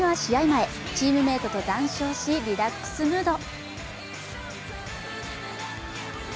前、チームメートと談笑し、リラックスムード。